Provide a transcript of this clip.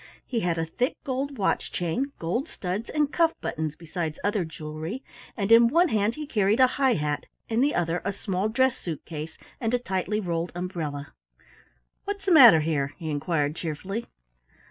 He had a thick gold watch chain, gold studs and cuff buttons besides other jewelry, and in one hand he carried a high hat, in the other a small dress suit case and a tightly rolled umbrella. "What's the matter here?" he inquired cheerfully.